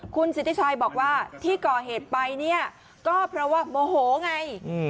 คุณสิทธิชัยบอกว่าที่ก่อเหตุไปเนี่ยก็เพราะว่าโมโหไง